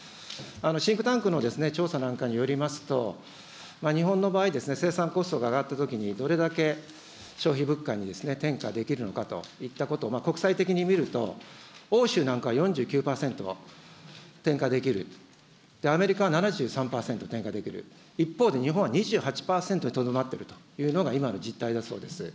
シンクタンクの調査なんかによりますと、日本の場合、生産コストが上がったときに、どれだけ消費物価に転嫁できるのかといったこと、国際的に見ると、欧州なんかは４９％転嫁できる、アメリカは７３％転嫁できる、一方で日本は２８％にとどまっているというのが、今の実態だそうです。